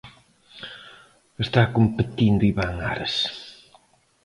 Está competindo Iván Ares.